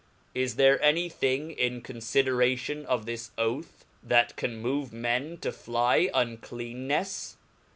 Is there any thing in confideration of this oath, that paflae^' ^^ can move men to fiy uncleannefs